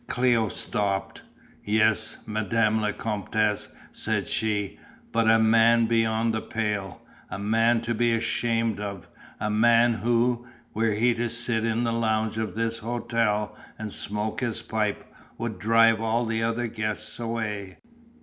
Cléo stopped. "Yes, Madame la Comtesse," said she, "but a man beyond the pale, a man to be ashamed of, a man who, were he to sit in the lounge of this hotel and smoke his pipe, would drive all the other guests away.